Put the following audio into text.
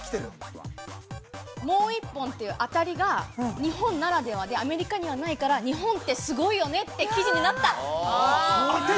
もう１本という当たりが、日本ならではで、アメリカにはないから、日本ってすごいよねって、記事になった。